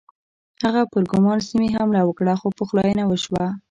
هغه پر ګرمان سیمې حمله وکړه خو پخلاینه وشوه.